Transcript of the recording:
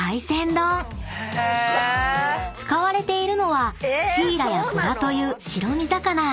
［使われているのはシイラやボラという白身魚］